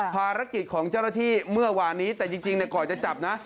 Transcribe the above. ภารกิจของเจ้าหน้าที่เมื่อวานนี้แต่จริงก่อนจะจับนะ